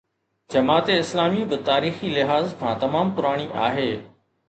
جماعت اسلامي به تاريخي لحاظ کان تمام پراڻي آهي.